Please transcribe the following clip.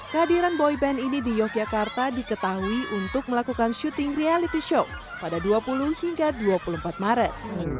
kehadiran boyband ini di yogyakarta diketahui untuk melakukan syuting reality show pada dua puluh hingga dua puluh empat maret